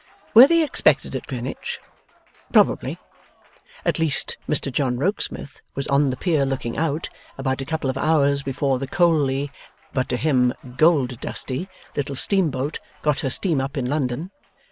Were they expected at Greenwich? Probably. At least, Mr John Rokesmith was on the pier looking out, about a couple of hours before the coaly (but to him gold dusty) little steamboat got her steam up in London.